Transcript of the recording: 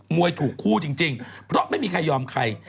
วยถูกคู่จริงเพราะไม่มีใครยอมใคร